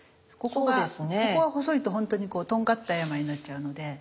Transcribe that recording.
ここが細いと本当にこうとんがった山になっちゃうので。